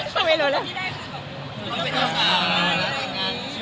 ก็ไม่รู้แล้ว